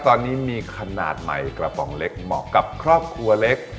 ตอนนี้มีขนาดใหม่กระป๋องเล็กเหมาะกับครอบครัวเล็ก